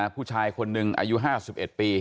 ผู้ชายคนหนึ่งอายุ๕๑ปี